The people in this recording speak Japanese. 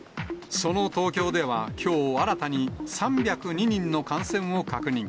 その東京では、きょう新たに３０２人の感染を確認。